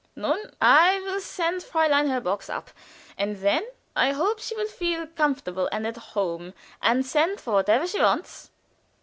Nun! I will send Fräulein her box up, and then I hope she will feel comfortable and at home, and send for whatever she wants."